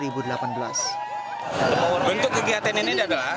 bentuk kegiatan ini adalah